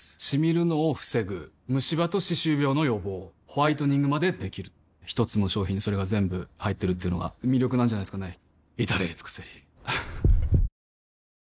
シミるのを防ぐムシ歯と歯周病の予防ホワイトニングまで出来る一つの商品にそれが全部入ってるっていうのが魅力なんじゃないですかね